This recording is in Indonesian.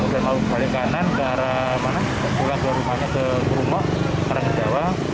lalu kebalik kanan ke arah rumahnya ke rumah karangkedawang